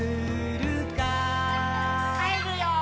「帰るよー」